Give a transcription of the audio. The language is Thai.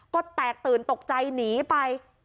ก็แตกตื่นตกใจหนีไป